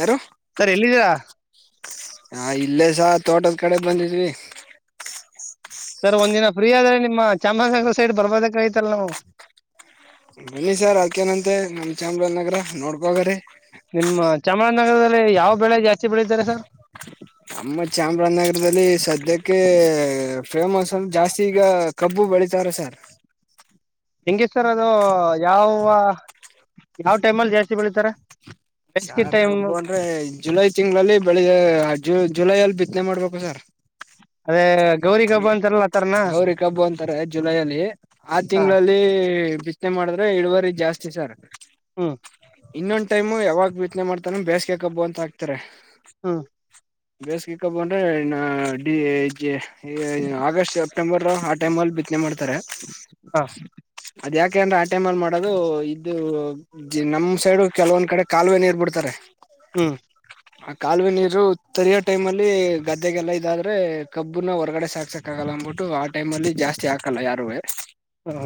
ಯಾರು ಸರ್ ಎಲ್ಲಿದ್ದೀರಾ ಇಲ್ಲೇಸ ತೋಟದ ಕಡೆ ಬಂದಿದ್ವಿ ಸರ್ ಒಂದ ದಿನ ಫ್ರೀ ಆದ್ರೆ ನಿಮ್ಮ ಚಾಮರಾಜನಗರ ಸೈಡ್ ಬರ್ಬೋದಕ್ ಆಯ್ತಲ್ಲ ನಾವು ಬನ್ನಿ ಸರ್ ಅದ ಕನಂತೆ ನಮ್ ಚಾಮರಾಜ ನಗರ ನೋಡ್ಬೋಗ್ರೀ ಚಾಮಾಜನಗರದಲ್ಲಿ ಯಾವ ಬೆಳೆ ಜಾಸ್ತಿ ಬೆಳೀತಾರೆ ಸರ್ ನಮ್ಮ ಚಾಮರಾಜನಗರದಲ್ಲಿ ಸದ್ಯಕ್ಕೆ ಫೇಮಸ್ ಅಂದ ಜಾಸ್ತಿ ಈಗ ಕಬ್ಬು ಬೆಳಿತಾರ ಸರ್ ಹೆಂಗಿ ಸರ್ ಅದು ಯಾವ ಯಾವ್ ಟೈಮ್ಲ್ಲಿ ಜಾಸ್ತಿ ಬೆಳಿತಾರ ಸಾರ್ ಕಬ್ಬು ಅಂದ್ರೆ ಜುಲೈ ತಿಂಗಳಲ್ಲಿ ಬೆಳಗ್ ಜುಲೈಯಲ್ಲಿ ಬಿತ್ತನೆ ಮಾಡ್ಬೇಕು ಸರ್ ಅದೇ ಗೌರಿ ಹಬ್ಬ ಅಂತಾರಲ್ಲ ಆ ಥರನಾ ಗೌರಿ ಕಬ್ಬು ಅಂತಾರೆ ಜುಲೈ ಅಲ್ಲಿ ಆ ಹಾಂ ತಿಂಗಳಲ್ಲಿ ನೆ ಮಾಡಿದ್ರೆ ಎಳುವರಿ ಜಾಸ್ತಿ ಸರ್ ಹ್ಮ್ ಇನ್ನೊಂದ್ ಟೈಮು ಯಾವಾಗ ಬಿತನೆ ಮಾಡ್ತಾರ ಬೇಸಗೆ ಕ ಬ್ಬ ಅಂತ ಹಾಕ್ತಾರೆ ಹಾ ಬೇಸಗೆ ಕಬ್ಬ ಅಂದ್ರೆ ಈ ಹ ಆಗಸ್ಟ್ ಸೆಪ್ಟೆಂಬರ್ ಆ ಟೈಮ ಅಲ್ಲಿ ಬಿತ್ತನೆ ಮಾಡ್ತಾರೆ ಹಾಂ ಅದ ಯಕ ಯಾಕೆಂದ್ರೆ ಆ ಟೈಮ್ ಅಲ್ಲಿ ಮಾಡೋದು ಇದು ನಮ್ ಸೈಡ್ ಕೆಲವೊಂದ್ ಕಡೆ ಕಾಲುವೆ ನೀರ್ ಬಿಡ್ತಾರೆ ಹ್ಞೂ ಆ ಕಾಲುವೆ ನೀರು ತರಿಯೋ ಟೈಮ್ ಅಲ್ಲಿ ಗದ್ದೆಗೆಲ್ಲಾ ಇದಾದ್ರೆ ಕಬ್ಬ ಇಬ್ನ್ನ ಹೊರಗಡೆ ಸಾಕ್ಸಕ್ ಆಗಲ್ಲ ಅಂದ್ಬಿಟ್ಟು ಆ ಟೈಮ ಅಲ್ಲಿ ಜಾಸ್ತಿ ಹಾಕಲ್ಲ ಯಾರುವೆ ಹ್ಮ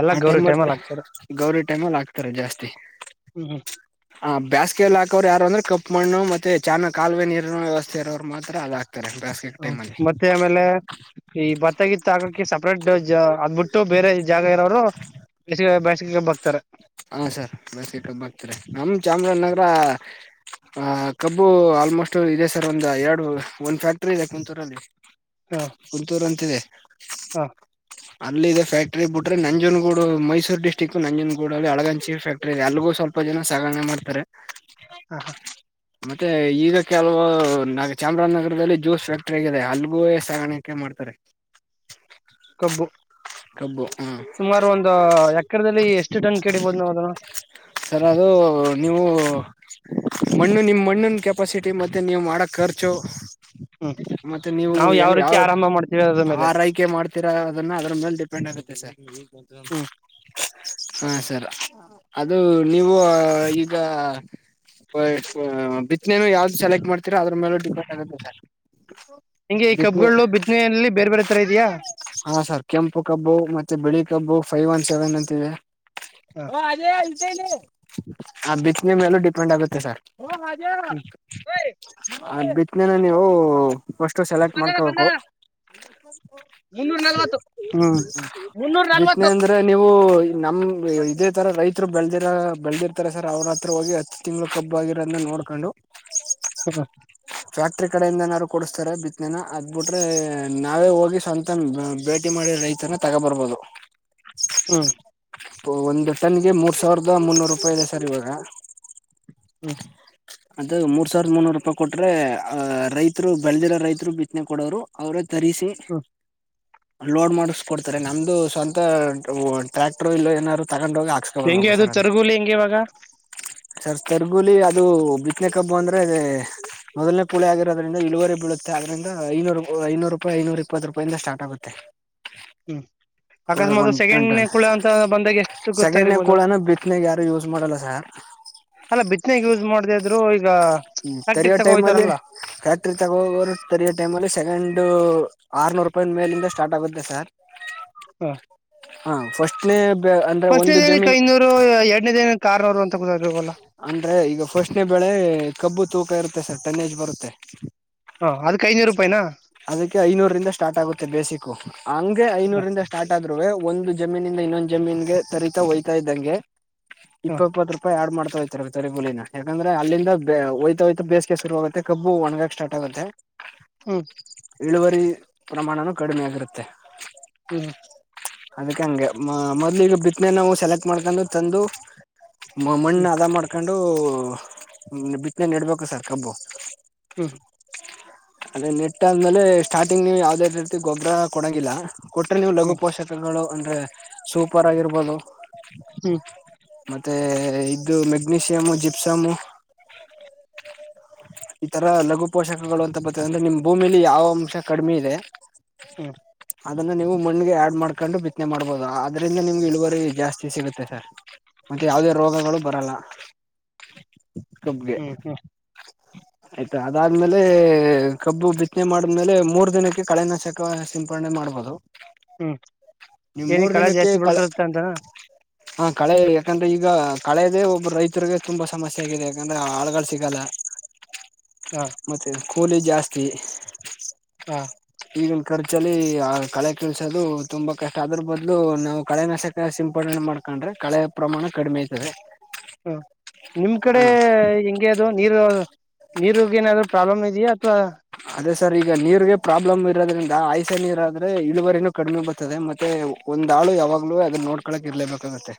ಎಲ್ಲ ಗೌರಿ ಟೈಮಲ್ ಆಗ್ತಾರ ಟೈಮಲ್ಲಿ ಆಗ್ತಾರೆ ಜಾಸ್ತಿ ಹ್ಮ್ಮ ಹ ಬೇಸ್ಗೆಲ್ಲಿ ಹಾಕೋರ್ ಯಾರುಂದ್ರ ಕಪ್ ಮಣ್ಣ ಮತ್ತೆ ಚನ್ನಗಿ ಕಾಲುವೆ ನೀರುನ ವ್ಯವಸ್ಥೆ ಇರೋರು ಮಾತ್ರ ಅದಾ ಇ ಬಾಸಸ್ಕ್ ಟೈಮ ಅಲ್ಲಿ ಮತ್ತ ಆಮೇಲೆ ಈ ಭತ್ತಗಿತ್ತು ಹಾಕಕಕ್ಕೆ ಸಪ್ರೇಟ್ ಅದ್ಬಿಟ್ಟು ಬೇರೆ ಜಾಗ ಇರೋವ್ರು ಬೇಸಗೆ ಕಬ್ಬ ಹಾಕ್ತಾರೆ ಹಾ ಸರ್ ಬೇಸಗೆ ಕಬ್ಬ ಹಾಕ್ತಾರೆ ನಮ್ಮ ಚಾಮರಾಜನಗರ ಅ ಕಬ್ಬು ಆಲ್ಮೋಸ್ಟ್ ಇದೆ ಸರ್ ಒಂದ ಎರಡು ಒಂದ್ ಫ್ಯಾಕ್ಟ್ರಿ ಇದೆ ಕುಂತೂರಲ್ಲಿ ಹಾಂ ಕುಂತೂರಂತಿದೆ ಹಾಂ ಅಲ್ಲ ಇ ಫಕ್ಟ್ರಿ ಬಿ್ರೆ ನಂಜನ ಗೂಡು ಮೈಸೂ ಡ್ಟ್ರಿಕ್ು ನಂಜನಗೂ ಗಡ ಅಳಗಂಚಿ ಫ್ಯಾಕ್ಟ್ರಿದೆ ಎಲ್ಲಗೂ ಸ್ವಲ್ಪ ಜನ ಸಾಗಣೆ ಮಾಡತಾರೆ ಹಾಂ ಹಾಂ ಮತ್ತೆ ಈಗ ಕೆಲವು ನ ಚಾಮರಾಜನಗರದಲ್ಲಿ ಜ್ಯೂಸ್ ಫ್ಯಾಕ್ಟ್ರ ಆಗಿದೆ ಅಲ್ಲಿಗೂ ಸಾಗಾಣಕ್ಕೆ ಮಾಡ್ತಾರೆ ಕಬ್ಬು ಕಬ್ ಸುಮಾರು ಒಂದು ಎಕರೆದಲ್ಲಿ ಎಷ್ಟು ಟನ್ ಕಡಿಬೋದು ನಾವ್ ಅದನ್ನ ಸರ್ ಅ ನೀವುಣ್ಣ ನಿಮ್ಮ ಮಣ್ಣಿನ ಕೆಪಾಸಿಟಿ ಮತ್ತು ನೀವು ಮಾಡೋ ಖರ್ಚು ಹ್ಮ್ ಮತ್ತೆ ನೀವು ನಾವು ಹೆಂಗ ರೀತಿ ಯಾವ ಆರಂಭ ಮಾಡ್ತೀವಿ ಅದ್ರ ಮೇಲೆ ಆರೈಕೆ ಮಾಡ್ತೀರಾ ಅದನ್ನ ಅದ್ರ ಮೇಲೆ ಸರಿ ಮತ್ತಂತ ಹ್ಮ್ ಹಾ ಸರ್ ಅದು ನೀವು ಈಗ ಬಿತ್ತನೆನು ಯಾವ್ದ ಸೆಲೆಕ್ಟ್ ಮಾಡ್ತೀರಾ ಅದ್ರ ಮೇಲೂ ಡಿಪೆಂಡ್ ಆಗುತ್ತೆ ಸರ್ ಹಿಂಗೆ ಈ ಬಿತ್ನೆ ಕಬ್ು ಬಿದ್ದನೆಯಲ್ಲಿ ಬೇರೆ ಬೇರೆ ತರ ಇದಯಾ ಹಾ ಸರ್ ಕೆಂಪು ಕಬ್ಬು ಮತ್ತೆ ಬಿಳಿ ಕಬ್ಬು ಫೈವ್ ಒನ್ ಸೆವೆನ್ ಅಂತ ಇಿದೆ ಹ ಓ ಅದೇ ಆ [inaudible] [unintelligible] ಆ ಬಿ ನಿಮ್ಮ ಎಲ್ಲೂ ಡಿಪೆಂಡ್ ಆಗುತ್ತೆ ಸರ್ ಹ ಮಾಜೆ ಹ್ಮ್ ಅ್ ಬಿತ್ನೆೇನೆ ನೀವು ಫಸ್ಟು ಸೆಲೆಕ್ಟ್ ಬಂದದ ಮಾಡ್ಕೋಬೇಕು ಬಂದದ ಮುನ್ನೂರ ನಲ್ವತ್ತು ಹ್ಮ್ ಬಿತ್ತನೆ ಅಂದ್ರೆ ನೀವು ನಮ ಇದೇ ತರ ರೈ ರು ಬೆಳದಿರ ಬೆಳದಿರ್ತಾರ ಸರ್ ಅವ್ರ ಹತ್ರ ಹೋಗಿ ಹತ್ತು ತಿಂಗ್ಳ ಕಬ್ಬ ಆಗಿರಂತ ನೋಡ್ಕೊಂಡು ಹಾ ಫ್ಯಾಕ್ಟ್ರಿ ಕಡೆಯಿಂದ ನಾದಾರರು ಕೊಡಸ್ತಾರೆ ಬಿತ್ನೆನ ಅದ್ಬಿಟ್ರೆ ನಾವೇ ಹೋಗಿ ಸ್ವಂತ ಮಾಡಿ ರೈತನ ತಗೋ ಬರ್ಬೋದು ಹ್ಮ ಒಂದು ಟನ್ಗೆ ಮೂರ್ ಸಾವಿರದ ಮುನ್ನೂರು ರೂಪಾಯಿ ಇದೆ ಸರ್ ಇವಾಗ ಹ್ಮ ಅದ ಮೂರ್ ಸಾವಿರದ ಮುನೂರು ರೂಪಾಯಿ ಕೊಟ್ರೆ ಅ್ ರೈತರು ಬೆಳೆದಿರೋ ರೈತರು ಬಿತ್ತನೆ ಕೊಡೋ್ರು ಅವ್ರ ತರಿಸರಿಸ ಹ್ಮ್ ಲೋಡ್ ಮಾಡಸ್ಕ ಕೊಡ್ತಾರೆ ನಮ್ದು ಸ್ವಂತ ಟ್ರ್ಯಾಕ್ಟರ್ ಇಲ್ಲ ಏನ ಹೆಂಗೆ ಅದು ತರ್ಗೂಲಿ ಹೆಂಗಗೆ ಇವಾಗ ಸರ್ ತರ್ಗುಲಿ ಅದು ಬಿತ್ತನೆ ಕಬ್ು ಅಂದ್ರೆ ಮೊದಲನೆ ಕ ಕುಳಿ ಆಗರೋದ್ರಿಂದ ಇಳುವರಿ ಬೀಳುತ್ತೆ ಅದ್ರಂದ ಐನೂರು ಐನೂರು ರೂಪಾಯಿ ಐನೂರು ಇಪ್ಪತ್ತು ರೂಪಾಯಿಂದ ಸ್ಟಾರ್ಟ್ ಆಗುತ್ತೆ [inaudible] [unintelligible] ಹ್ಮ್ ಅಕಸ್ಮಾತ್ ಒಂದ್ ಸೆಕೆಂಡ್ ಕ್ವಿಂಟಲ್ ಕುಳ ಅಂತ ಬಂದಾಗ ಎಷ್ಟು ಗೊತ್ತ ಸೆಕೆಂಡ್ನೇ ಇರ್ಬೋದು ಕೂಳನು ಬಿತ್ತನೆಗೆ ಯಾರು ಯೂಸ್ ಮಾಡಲ್ಲ ಸರ್ ಅಲ್ಲ ಬಿತ್ತನೆಾಗ ಯೂಸ್ ಮಾಡದ ಇದ್ರು ಈಗ ಹ್ಮ ಫ್ಯಾಕ್ಟ್ರಿ ತೆರಿಯೋ ತಗೋ ಟೈಮ ಅಲ್ಲಿ ಹೋಯ್ತಾರಲ್ಲ ಫ್ಯಾಕ್ಟ್ರಿ ತಗೋರು ತರಯೋ ಟೈಮ್ ಅಲ್ಲಿ ಸೆಕೆಂಡ್ ಆರ್ನೂರು ರೂಪಾಯಿ ಮೇಲಿಂದ ಸ್ಟಾರ್ಟ್ ಆಗುತ್ತೆ ಸರ್. ಹಾ ಹಾ ಫಸ್ಟ್ ಮ ಫಸ್ಟ್ನದೇನ ಕೈನೂರು ಎರಡ್ನೇದೇನ ಕಾರ್ನೂರು ಅಂತ ಕೂವಲ್ಲ. ಅಂದ್ರೆ ಈಗ ಫಸ್ಟ್ನೇ ಬೆಳೆ ಕಬ್ಬು ತೂಕ ಇರುತ್ತೆ ಸರ್ ಟೆನೆಜ್ ಬರುತ್ತೆ. ಹ ಅದಕ್ಕೆ ಐನೂರು ರೂಪಾಯಿನಾ ಅದಕ್ಕೆ ಐನೂರಂದ ಸ್ಟಾರ್ಟ್ ಆಗುತ್ತೆ ಬೇಸಿಕ್ಕು, ಹಂಗೆ ಐನೂರಿಂದ ಸ್ಟಾರ್ಟ್ ಆಗೆ. ಒಂದು ಜಮೀನಿಂದ ಇನ್ನೊಂದ್ ಜಮೀನ್ಗೆ ತರತಾ ಹಯ್ತಾ ಇದ್ದಂಗೆ. ಹ ಇಪ್ಪಪ್ಪತ್ತು ರೂಪಾಯಿ ಆಡ್ ಮಾಡ್ತ ತರ ತರಿಗುಲಿನ ಯಾಕಂದ್ರೆ ಅಲ್ಲಿಂದ ಬ ಹಯ್ತೋಯ್ತ ಬೇಸಿಗೆಗೆ ಶುರು ಆಗುತ್ತೆ ಕಬ್ಬ ಒಣಗಕ ಸ್ಟಾರ್ಟ್ ಆಗುತ್ತೆ. ಹ್ಮ್ ಇಳುವರಿ ಪ್ರಮಾಣನು ಕಡಿಮೆ ಆಗಿರುತ್ತೆ. ಹ್ಮ ಅದಕ್ಕೆ ಹಂಗೆ ಮೊದ್ಲ ಈಗ ಬಿತ್ತನೆ ನಾವು ಸೆಲೆಕ್ಟ್ ಮಾಡ್ಕೊಂಡು ತಂದು‌ ಮಮ್ಮಣ್ಣ ಹ್ಮ್ ಅದ ಮಾಡ್ ಕೊಂಡು ಬಿತ್ತನೆ ನೆಡ್ಬೇಕು ಸರ್ ಕಬ್ಬು. ಹು ಅದೇ ನೆಟ್ಟ ಆದ್ಮೇಲೆ ಸ್ಟಾರ್ಟಿಂಗ್ ನೀವು ಯಾವ್ದಾವ ರೀತಿ ಗೊಬ್ಬರ ಕೊಡಂಗಿಲ್ಲ. ಕೊಟ್ರೆ ನೀವು ಲಘು ಹ್ಮ್ ಪೋಷಕಗಳು. ಅ ಸೂಪರ್ ಆಗಿರ್ಬೋದು. ಹ್ಮ್ ಮತ್ತೆ ಇದ್ದು ಮೆಗ್ನಿಶಿಯಾಮ್ ಜಿಪ್ಸಾಮ್. [inaudible] ಈ ತರ ಲಘು ಪೋಷಕಗಳು ಅಂತ ಬರ್ತಾವ, ಅಂದ್ರೆ ನಿಮ್ ಭೂಮಿಲಿ ಯಾವ ಅಂಶ ಕಡಿಮೆ ಇದೆ. ಹು ಅದನ್ನು ನೀವು ಮಣ್ಣಿಗೆ ಆ್ಯಡ್ ಮಾಡ್ಕೊಂಡು ಬಿತ್ತನೆ ಮಾಡ್ಬೋದು, ಆದರಿಂದ ನಿಮ್ಗೆ ಇಳುವರಿ ಜಾಸ್ತಿ ಸಿಗುತ್ತೆ ಸರ್, ಮತ್ತು ಯಾವುದೇ ರೋಗಗಳು ಬರೋಲ್ಲ. ಕಬ್ಬಿಗೆ ಹ್ಮ್ ಹ್ಮ್ ಹ್ಮ್ ಆಯ್ತಾ ಅದಾದ್ಮೇಲೆ ಕಬ್ಬು ಬಿತ್ತನೆ ಮಾಡ್ಮೇಲೆ ಮೂರ್ ದಿನಕ್ಕೆ ಕಳೆನಾಶಕ ಸಿಂಪಡಣೆ ಮಾಡ್ಬೋದು. ಹ್ಮ್ ನೀವು ಏನಿ ಕಳೆ ಜಾಸ್ತಿ ಬೆಲ್ಕತ್ತಾ ಅಂತನಾ. ಹಾ ಕಳೆ ಯಾಕಂದ್ರೆ ಈಗ ಕಳೆದೇ ಒಬ್ಬ ರೈತ ರೈತರಿಗೆ ತುಂಬಾ ಸಮಸ್ಯೆ ಆಗಿದೆ ಯಾಕಂದ್ರೆ ಆಳಗಳು ಸಿಗಲ್ಲ. ಹ ಮತ್ತೆ ಕೂಲಿ ಜಾಸ್ತಿ. ಹ ಈಗಿನ ಖರ್ಚು ಆಕ್ಟ್ನಲಿ ಕಳೆ ಕಿಳಸೋದು ತುಂಬಾ ಕಷ್ಟ, ಅದರ ಬದಲು ನಾವು ಕಳೆ ನಾಶಕ ಸಿಂಪಡನೆ ಮಾಡ್ಕೊಂಡ್ರೆ ಕಳೆಯ ಪ್ರಮಾಣ ಕಡಿಮೆ ಆಗ್ತದೆ. ಹ ನಿಮ್ ಕಡೆ ಹೆಂಗೆ ಅದು ನೀರು ನೀರುಗಿರ ಏನಾದ್ರು ಪ್ರಾಬ್ಲಮ್ ಇದೆಯಾ, ಅಥವಾ ಅದೇ ಸರ್ ಈಗ ನೀರಿಗೆ ಪ್ರಾಬ್ಲಮ್ ಇರೋದ್ರಿಂದ ಆಯ್ಸೆ ನೀರ ಆದ್ರೆ ಇಳುವರಿನೂ ಕಡಿಮೆ ಬರ್ತದೆ, ಮತ್ತೆ ಒಂದ್ ಆಳು ಯಾವಾಗ್ಲೂ ಅದನ್ನ ನೋಡ್ಕೊಳ್ಳಕ್ ಇರ್ಲೇಬೇಕಾಗತ್ತೆ.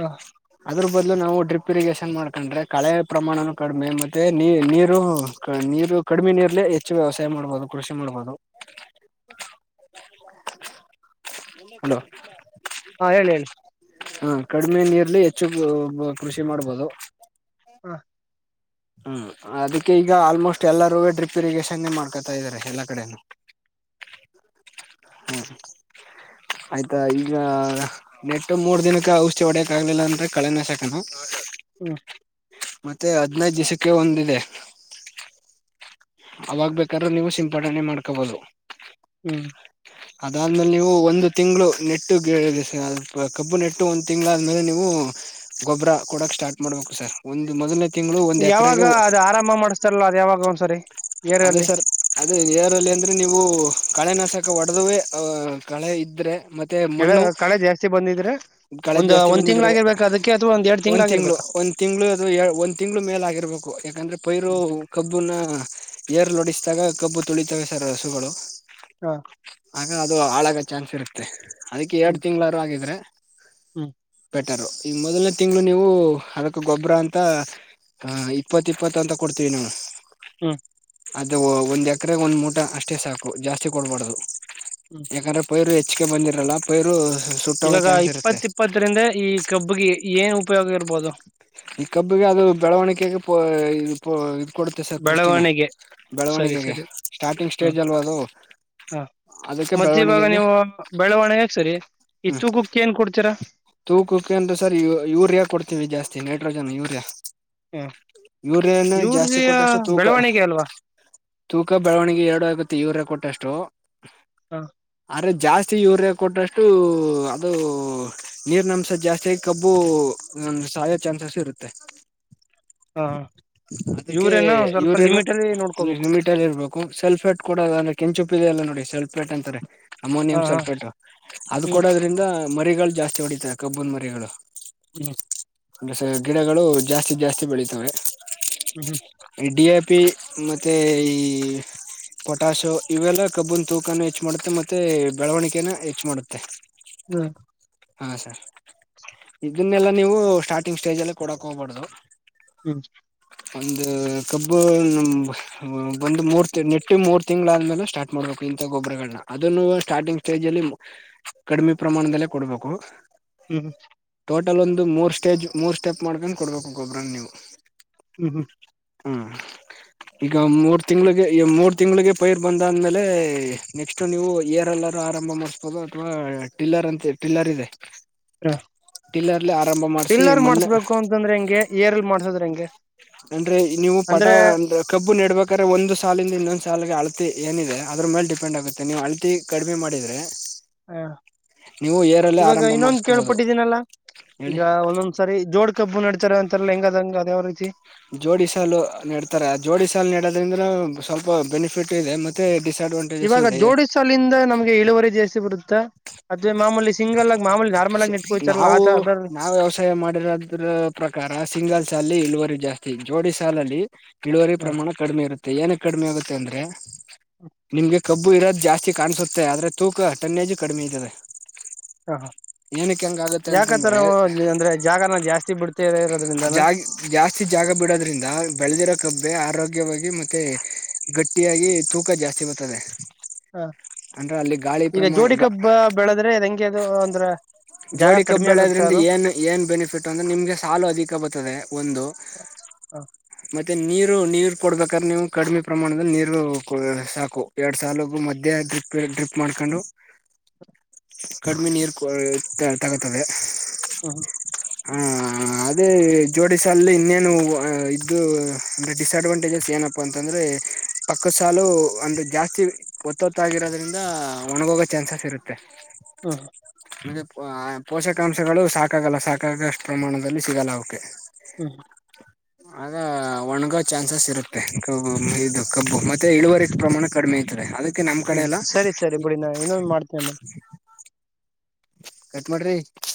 ಹ ಅದರ ಬದಲು ನಾವು ಡ್ರಿಪ್ ಇರಿಗೇಷನ್ ಮಾಡ್ಕೊಂಡ್ರೆ ಕಳೆಯ ಪ್ರಮಾಣ ಕಡಿಮೆ ಮತ್ತೆ ನೀ ನೀರು ನೀರು ಕಡಿಮೆ ನೀರಲ್ಲಿ ಹೆಚ್ಚು ವ್ಯವಸಾಯ ಮಾಡ್ಬೋದು ಕೃಷಿ ಮಾಡ್ಬೋದು ಹಲೋ ಹಾ ಹೇಳಿ ಹೇಳಿ ಹಾ ಕಡಿಮೆ ನೀರಲ್ಲಿ ಹೆಚ್ಚು ಕೃಷಿ ಮಾಡ್ಬೋದು ಹಾ ಹ್ಮ್ ಅದಕ್ಕೆ ಈಗ ಆಲ್ಮೋಸ್ಟ್ ಎಲ್ಲಾರೂ ಡ್ರಿಪ್ ಇರಿಗೇಶನೆ ಮಾಡ್ಕೊತಾ ಇದಾರೆ ಎಲ್ಲಾ ಕಡೆನು ಹ್ಮ್ ಆಯ್ತಾ ಈಗ ನೆಟ್ಟು ಮೂರ್ ದಿನಕ್ಕೆ ಔಷಿದಿ ಹೊಡಿಯಾಕ ಆಗಲಿಲ್ಲ ಅಂದ್ರೆ ಕಳೆನಾಶಕನೋ ಹು ಮತ್ತೆ ಅದು ಹದಿನೈದು ದಿಸಕ್ಕೆ ಒಂದಿದೆ ಅವಾಗ್ ಬೇಕಾದ್ರೂ ನೀವು ಸಿಂಪಡಣೆ ಮಾಡ್ಕೋಬಹದು ಹು ಅದಾದ್ಮೇಲೆ ನೀವು ಒಂದು ತಿಂಗಳು ನೆಟ್ಟು ಕಬ್ಬು ನೆಟ್ಟು ಒಂದ್ ತಿಂಗಳಾದ್ಮೇಲೆ ನೀವು ಗೊಬ್ಬರ ಕೊಡಕ್ ಸ್ಟಾರ್ಟ್ ಮಾಡ್ಬೇಕು ಸರ್ ಒಂದ ಮೊದ್ನೇ ಯಾವಾಗ ಅದ ಆರಾಮ ಮಾಡಸ್ತಾರಲ್ಲ ಅದು ಯಾವಾಗ ಒಂದ್ಸರಿ ಅದೇ ಏರಲ್ಲಿ ಸರ್ ಅದೇ ಏರಲ್ಲಿ ಅಂದ್ರೆ ನೀವು ಕಳೆನಾಶಕ ಹೊಡೆದುವೆ ಅಹ ಕಳೆ ಇದ್ರೆ ಮತ್ತೆ ಮತ್ತೆ ಕೆಳ ಮಣ್ಣು ಕಳೆ ಜಾಸ್ತಿ ಬಂದಿದ್ರೆ ಕಳೆ ಒಂದ್ ಜಾಸ್ತಿ ಒಂದ್ ಬಂದಿದ್ರೆ ತಿಂಗ್ಗಳಾಗಿರ್ಬೇಕಾ ಅದಕ್ಕೆ ಅಥವಾ ಎರಡ್ ಒಂದ್ ತಿಂಗಳು ತಿಂಗ್ಗಳಾಗಿರ್ಬೇಕಾ ಒಂದ್ ತಿಂಗಳು ಅದು ಒಂದ್ ತಿಂಗಳು ಮೇಲೆ ಆಗಿರ್ಬೇಕು ಯಾಕಂದ್ರೆ ಪೈರು ಕಬ್ಬುನ [unintelligible] ಪೇರ್ ನೋಡಿಸಿದಾಗ ಕಬ್ಬು ತುಳಿತವೆ ಸರ್ ಹಸುಗಳು ಹ ಆಗ ಅದು ಹಾಳಾಗ ಚಾನ್ಸ್ ಇರುತ್ತೆ ಅದಕ್ಕೆ ಎರಡ್ ಹ್ಮ್ ತಿಂಗ್ಗಳಾರ ಆಗಿದ್ರೆ. ಹ್ಮ್ ಬೆಟರ್ ಈ ಮೊದಲನೇ ತಿಂಗಳು ನೀವು ಅದಕ್ ಗೊಬ್ಬರ ಅಂತ ಅ ಇಪ್ಪತ್ ಇಪ್ಪತ್ತು ಅಂತ ಕೊಡ್ತೀವಿ ನಾವು ಹ್ಮ್ ಅದು ಒಂದ್ ಎಕರೆಗ ಒಂದ್ ಮೂಟ ಅಷ್ಟೇ ಸಾಕು ಜಾಸ್ತಿ ಕೊಡ್ಬಾರಡದು. ಹ್ಮ್ ಎಕಂದ್ರ ಪೈರು ಎ ಹಚ್ಗೆ ಬಂದಿರಲ್ಲ. ಪೈರು ಸುಟ್ಟೋಗೋ ಇವಾಗ ಚಾನ್ಸ್ ಇರುತ್ತೆ ಇಪ್ಪತ್ತ ಇಪ್ಪತ್ತರಿಂದ ಈ ಕಬ್ಬಗಿ ಏನ್. ಉಪಯೋಗ ಇರ್ಬೋದು? ಈ ಕಬ್ಬಿಗೆ ಅದು ಬೆಳವಣಿಗೆಗೆ ಪೊಯ ಪೊಯ ಕೊಡುತ್ತೆ ಸರ್ ಪುಷ್ಟಿನ. ಬೆಳವಣಿಗೆ ಸರಿ ಬೆಳವಣಿಗೆಗೆ ಸರಿ ಸ್ಟಾರ್ಟಿಂಗ್ ಹ್ಮ್ ಸ್ಟೇಜ್ ಅಲ್ವಾ ಅದು ಹ ಅದಕ್ಕೆ ಮತ್ತೆ ಇವಾಗ ಬೆಳವಣಿಗೆಗೆ ನೀವು ಬೆಳವಣಿಗೆಗ್ ಸರಿ ಈ ಹ್ಮ್ ತೂಕಕ್ಕೆ ಏನ್ ಕೊಡ್ತೀರಾ ತೂಕಕ್ಕೆ ಅಂತ್ ಸರ್ ಯರಿಯ ಕೊಡ್ತೀವಿ ಜಾಸ್ತಿ. ನೈಟ್ರೋಜನ್ ಯೂರಿಯಾ ಹ ಯೂರಿಯಾನ ಜಾಸ್ತಿ ಯೂರಿಯ ಕೊಟ್ಟಷ್ಟು ತೂಕ ಬೆಳವಣಿಗೆ ಅಲ್ವಾ ತೂಕ ಬೆಳವಣಿಗೆ ಎರಡು ಆಗುತ್ತೆ ಯೂರಿಯಾ ಕೊಟ್ಟಷ್ಟು. ತ [unintelligible] ಹ ಅರೆ ಜಾಸ್ತಿ ಯೂರಿಯಾ ಕೊಟ್ರಷ್ಟು ಅದು ನೀರಿನ್ ಅಂಶ ಜಾಸ್ತಿಯಾಗಿ ಕಬ್ಬು ಸಾಯ ಚಾನ್ಸಸ್ ಇರುತ್ತೆ. ಹ ಅದಕ್ಕೆ ಯೂರಿಯಾನ ಒಂದ್ ಸ್ವಲ್ಪ ಯೂರಿಯನು ಲಿಮಿಟ್ ಅಲ್ಲಿ ನೋಡ್ಕೋಬೇಕು ಲಿಮಿಟ್ ಅಲ್ಲಿ ಇರ್ಬೇಕು. ಸಲ್ಫೇಟ್ ಕೂಡ ಅಂದ್ರೆ ಕೆಂಚುಪ್ಪ ಇದೇ ಇಲ್ಲ ನೋಡಿ ಸಲ್ಪೇಟ್ ಅಂತಾರೆ. ಹ ಅಮೋನಿಯಂ ಹ ಸಲ್ಫೇಟ್ ಅದು ಹ್ಮ್ ಕೊಡೋದ್ರಿಂದ ಮರಿಗಳು. ಜಾಸ್ತಿ ಹೊಡಿತಾರೆ ಕಬ್ಬುನ್ ಮರಿಗಳು. ಹ್ಮ. [unintelligible] ಗಿಡಗಳು ಜಾಸ್ತಿ ಜಾಸ್ತಿ ಬೆಳಿತವೆ. ಹ್ಮ್ ಹ್ಮ್. ಪ್ಪಿ ಮತ್ತೆ ಈ ಪೊಟಾಶೋ ಇವೆಲ್ಲ ಕಬ್ಬನ್ ತೂಕನ ಹೆಚ್ಚು ಮಾಡುತ್ತೆ. ಮತ್ತೆ ಬೆಳವಣಿಗೆನ ಹೆಚ್ಚು ಮಾಡುತ್ತೆ. ಹ್ಮ್ ಹ್ಮ್ ಹಾ ಸರ್. [unintelligible] ಇದನ್ನೆಲ್ಲಾ ನೀವು ಸ್ಟಾರ್ಟ. ರ್ಟಿಂಗ್ ಸ್ಟೇಜ್ ಅಲ್ಲಿ ಕೊಡಕ್ ಹೋಗಬಾರ್ದದು. ಹ್ಮ್. ಒಂದು ಕಬ್ಬು ಒಂದು್ ಮೂರ್ ನೆಟ್ಟಿ ಮೂರ್ ತಿಂಗಳಾದ್ಮೇಲೆ ಸ್ಟಾರ್ಟ್ ಮಾಡ್ಬೇಕು. ಇಂತಥ ಗೊಬ್ಬರಗಳನ್ನ ಅದನ್ನು ಸ್ಟಾರ್ಟಿಂಗ್ ಸ್ಟೇಜ್ ಅಲ್ಲಿ ಕಡಿಮೆ ಪ್ರಮಾಣದಲ್ಲೇ ಕೊಡ್ಬೇಕು. ಹ್ಮ್. ಟೊಟಲ್ ಒಂದು ಮೂರು ಸ್ಟೇಜ್. ಮೂರು ಸ್ಟೆಪ್ ಮಾಡ್ಕೊಂಡು ಕೊಡ್ಬೇಕು ಗೊಬ್ಬರನ ನೀವು. ಹ್ಮ್ ಹ್ಮ್. ಹ್ಮ್ ಈಗ ಮೂರ್ ತಿಂಗಳಿಗೆ. ಮೂರ್ ತಿಂಗಳಿಗೆ ಪೈರ್ ಬಂದಾದ್ಮೇಲೆ ನೆಕ್ಸ್ಟ್ ನೀವು ಏರ್ಲ್ಲರೂ ಆರಂಭ ಮಾಡಸ್ಬೋದು ಅಥವಾ ಟಿಲ್ಲರ್ ಅಂತ ಟಿಲ್ಲರ್ ಇದೆ. ಲ್ಲರ್ಲ್ಲಿ ಆರಂಭ ಮಾಡ್ಸ. ರು ಮಾಡ್ಸ್ಬೇಕು ಅಂತಂದ್ರೆ ಹೆಂಗೆ? ಏರ್ಲ್ ಮಾಡ್ಸದ್ರೆ ಹೆಂಗೆ? ಅಂದ್ರೆ ನೀವು ಪಟ ಅಂದ್ರೆ ಅಂದ್ರ ಕಬ್ಬು ನೆಡ್ಬೇಕ್ರೆ ಒಂದ. ಸಾಲಿಂದ ಇನ್ನೊಂದು ಸಾಲಗೆ ಅಳತಿ ಏನಿದೆ ಅದ್ರ ಮೇಲೆ ಡಿಪೆಂಡ್ ಆಗುತ್ತೆ ನೀವ್ ಅಳತಿ ಕಡಿಮೆ ಮಾಡಿದ್ರೆ. ಹಾ ನೀವು ಏರಲ್ಲೇ ಇವಾಗ ಆರಂಭ ಇನ್ನೊಂದು ಮಾಡಿಸ್ಕೋಬಹುದು ಕೇಳ್ಪಿಟ್ಟಿದ್ದೀನಲ್ಲಾ ಹೇಳಿ ಈಗ ಒಂದೊಂದ್ಸರಿ ಜೋಡ್. ಕಬ್ು ನಡಡ್ತಾರೆ ಅಂತಾರಲ್ಲ ಹೆಂಗದಂಗ ಅದಾವ ರೀತಿ. ಜೋಡಿ ಸಾಲು ನೆಡ್ತಾರೆ ಆ ಜೋಡಿ ಸಾಲು ನೆಡೋದ್ರಿಂದನ ಸ್ವಲ್ಪ ಬೆನಿಫಿಟ್ ಇದೆ ಮತ್ತೆ. ಡಿಸ್ಅಡ್ವಾಂಟೇಜಸ್ ಇವಾಗ ಇದೆ ಜೋಡಿಸಲಿಂದ ನಮ್ಗೆ ಇಳುವರಿ ಜೇಸ್ತಿ ಬರುತ್ತಾ. ಅದ ಮಾಮೂಲಿ ಸಿಂಗಲ್. ಆಗಿ ಮಾಮೂಲಿ ನಾರ್ಮಲ್ ಆಗಿ ನೆಟ್ಕೋತಾರಲ್ಲ ನಾವು ಆತ ಅದರ ನಾವ್ ವ್ಯವಸಾಯ ಮಾಡಿರೋದ್ರ ಪ್ರಕಾರ ಸಿಂಗಲ್. ಸಾಲಲ್ಲಿ ಇಳವರಿ ಜಾಸ್ತಿ ಜೋಡಿ ಸಾಲಲ್ಲಿ. ಕಳುವರಿ ಹ ಪ್ರಮಾಣ ಕಡಿಮೆ ಇರುತ್ತೆ. ಮ ಏನ ಕಡಿಮೆ ಆಗುತ್ತೆ ಅಂದ್ರೆ. ನಿಮ್ಗೆ. ಕಬ್ಬು ಇಡೋದು ಜಾಸ್ತಿ ಕಾಣಸುತ್ತೆ ಆದ್ರೆ ತೂಕ ಟನ್ನೇಾಜು ಕಡಿಮೆ ಇದದೆ. ಹಾ ಹಾ. ಯಾಕತ್ತರ ಅಂತಂದ್ರೆ ಅಂದ್ರೆ ಜಾಗನ ಜಾಸ್ತಿ ಬಿಡ್ತ. ಜಾಗ ಜಾಸ್ತಿ ಜಾಗ ಬಿಡೋದ್ರಿಂದ ಬೆಳೆದಿರೋ ಕಬ್ಬೆ ಆರೋಗ್ಯ. ಗ್ಯವಾಗಿ ಮತ್ತೆ ಗಟ್ಟಿಯಾಗಿ ತೂಕ ಜಾಸ್ತಿ ಬರ್ತದೆ. ಹಾ ಅಂದ್ರೆ ಅಲ್ಲಿ ಗಾಳಿ ಈಗ ಪ್ರಮಾಣ ಜೋಡಿ ಗ ಕಬ್ಬ ಬೆಳದ್ರೆಂಗೆ ಅದು ಒಂದ್ ಜೋಡಿ ಕಪ್ ಬೆಳೆಯದ್ರಿಂದ ಏನ್ ಏನ್ ಬೆನಿಫಿಟ್ ಅಂದ್ರೆ ನಿಮ್ಗೆ ಸಾಲು ಅಧಿಕ ಬರ್ತದೆ ಒಂದು. ಹ ಮತ್ತೆ ನೀರು ನೀರು ಕೊಡ್ಬೇಕಾದ್ರೆ ನೀವು ಕಡಿಮೆ ಪ್ರಮಾಣದಲ್ಲಿ ನೀರು ಸಾಕು ಎರಡು ಸಲು ಮಧ್ಯ್ಯಾ ಡ್ರಿಪ್ ಡ್ರಿಪ್ ಮಾಡ್ಕೊಂಡು ಕಡಿಮೆ ನೀರು ಕೊ ತಗುತ್ತದೆ ಹ್ಮ್ ಹಾ ಅದೇ ಜೋಡಿ ಸಾಾಲಲ್ಲಿ ಇನ್ನೇನು ಇದ್ದು ಅಂದೆ ಡಿಸ್ಅಡ್ವಾಂಟೇಜಸ್ ಏನಪ್ಪಾ ಅಂತಂದ್ರೆ ಪಕ್ಕ ಸಾಲು ಒಂದು ಜಾಸ್ತಿ ಒತ್ತೊತ್ತಾಗಿರೋದ್ರಿಂದ ಒಣಗೋಗೋ ಚಾನ್ಸಸ್ ಇರುತ್ತೆ ಹ್ಮ ಹ ಅಂದ್ರೆ ಪೋಷಕಾಂಶಗಳು ಸಾಕಾಗಲ್ಲ ಸಾಕಾಗ ಅಷ್ಟು ಪ್ರಮಾಣದಲ್ಲಿ ಸಿಗಲ್ಲ ಅವ್ೆ ಹ್ಮ ಆಗ ಒಣಗ ಚಾನ್ಸಸ್ ಇರುತ್ತೆ ಕಬ್ ಇದು ಕಬ್ಬು ಮತ್ತೆ ಇಳುವರಿ ಪ್ರಮಾಣ ಕಡಿಮೆ ಐತದೆ ಅದಕ್ಕೆ ನಮ್ ಕಡೆ ಹ್ಮ್ ಎಲ್ಲ ಸರಿ ಸರಿ ಬಿುಡ ನಾ ಇನ್ನೊಂದ ಮಾಡ್ತೇಮ್ಮ ಕಟ್ ಮಾಡ್ರಿ